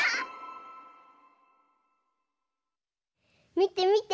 みてみて。